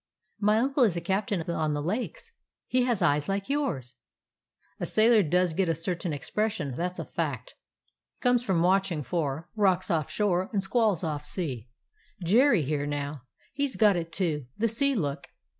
"My uncle is a captain on the Lakes. He has eyes like yours." "A sailor does get a certain expression; that 's a fact. Comes from watching for 215 DOG HEROES OF MANY LANDS rocks off shore and squalls off sea. Jerry here, now; he 's got it too — the sea look."